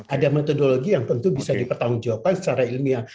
ada metodologi yang tentu bisa dipertanggungjawabkan secara ilmiah